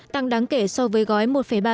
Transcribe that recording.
tăng đáng kể so với gói một ba tỷ đô la